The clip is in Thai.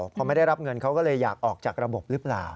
พอไม่ได้รับเงินเขาก็เลยอยากออกจากระบบหรือเปล่า